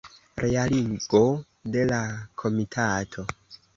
Realigo de la komitato.